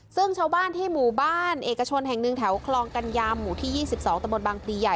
ซึ่งชาวบ้านที่หมู่บ้านเอกชนแห่งหนึ่งแถวคลองกัญญาหมู่ที่๒๒ตะบนบางพลีใหญ่